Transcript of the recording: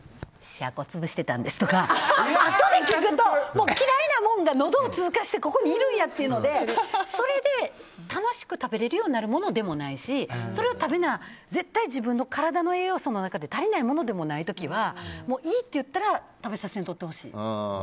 シャコ潰してたんですとかあとで聞くと嫌いなもんが喉を通過してここにいるんやっていうのでそれで楽しく食べれるようになるものでもないしそれを食べな絶対自分の体の栄養素の中で足りないものでもない時はいいって言ったら食べさせへんといてほしい。